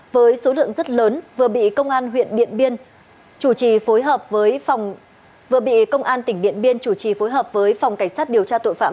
với số lượng rất lớn vừa bị công an huyện điện biên chủ trì phối hợp với phòng cảnh sát điều tra tội phạm